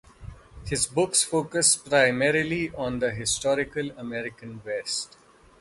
His books focus primarily on the historical American West.